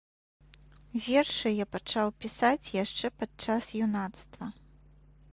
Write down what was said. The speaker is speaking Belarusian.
Вершы я пачаў пісаць яшчэ падчас юнацтва.